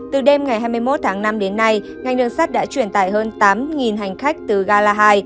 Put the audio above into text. từ đêm ngày hai mươi một tháng năm đến nay ngành đường sắt đã truyền tải hơn tám hành khách từ gà la hai